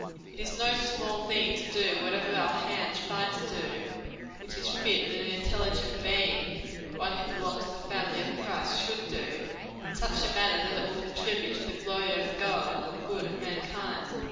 It is no small thing to do whatever our hands find to do, which it is fit that an intelligent being one who belongs to the family of Christ should do, in such a manner that it will contribute to the glory of God, and the good of mankind.